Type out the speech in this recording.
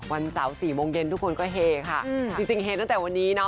วันเสาร์๔โมงเย็นทุกคนก็เฮค่ะจริงเฮตั้งแต่วันนี้เนาะ